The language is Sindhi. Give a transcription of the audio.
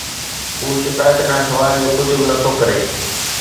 هو شڪايت کان سواءِ ٻيو ڪجهه به نٿو ڪري